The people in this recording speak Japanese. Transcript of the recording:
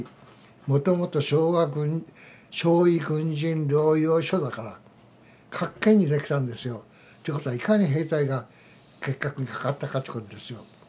もともと傷痍軍人療養所だから各県に出来たんですよ。ということはいかに兵隊が結核にかかったかっちゅうことですよ。